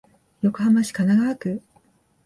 横浜市神奈川区